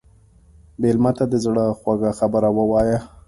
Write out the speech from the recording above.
مېلمه ته د زړه خوږه خبره وایه.